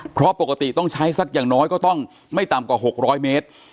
เพราะปกติต้องใช้สักอย่างน้อยก็ต้องไม่ต่ำกว่า๖๐๐เมตร